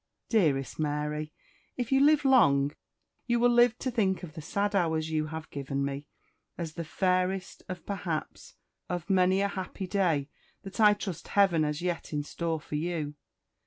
Dearest Mary, if you live long, you will live to think of the sad hours you have given me, as the fairest, of perhaps, of many a happy day that I trust Heaven has yet in store for you.